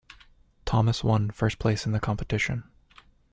Thomas one first place in the competition.